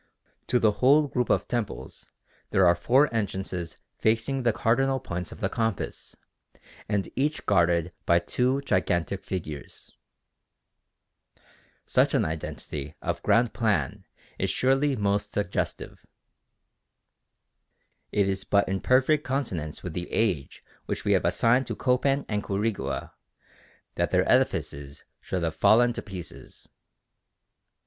To the whole group of temples there are four entrances facing the cardinal points of the compass, and each guarded by two gigantic figures." Such an identity of ground plan is surely most suggestive. It is but in perfect consonance with the age which we have assigned to Copan and Quirigua that their edifices should have fallen to pieces.